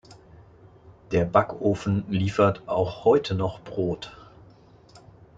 Der Backofen liefert auch heute noch Brot.